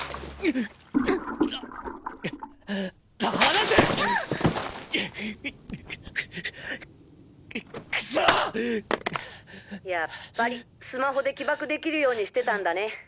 やっぱりスマホで起爆できるようにしてたんだね。